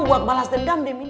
tawa malah ngeledek